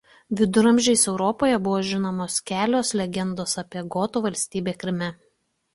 Viduramžiais Europoje buvo žinomos kelios legendos apie gotų valstybę Kryme.